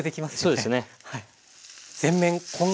はいそうですね。